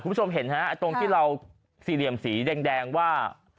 คุณผู้ชมเห็นฮะตรงที่เราสี่เหลี่ยมสีแดงว่า